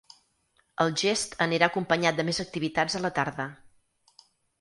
El gest anirà acompanyat de més activitats a la tarda.